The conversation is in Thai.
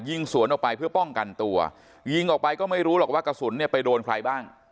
สวนออกไปเพื่อป้องกันตัวยิงออกไปก็ไม่รู้หรอกว่ากระสุนเนี่ยไปโดนใครบ้าง